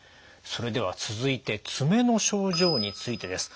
それでは続いて爪の症状についてです。